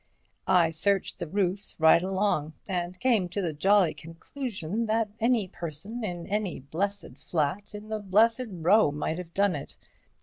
I searched the roofs right along—and came to the jolly conclusion that any person in any blessed flat in the blessed row might have done it.